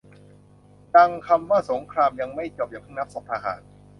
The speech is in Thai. ดังคำว่าสงครามยังไม่จบอย่าเพิ่งนับศพทหาร